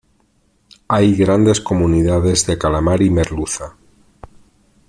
Hay grandes comunidades de calamar y merluza.